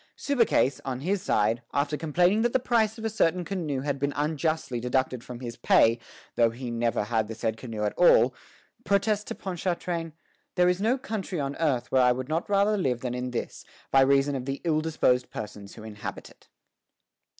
Subercase, on his side, after complaining that the price of a certain canoe had been unjustly deducted from his pay, though he never had the said canoe at all, protests to Ponchartrain, "there is no country on earth where I would not rather live than in this, by reason of the ill disposed persons who inhabit it."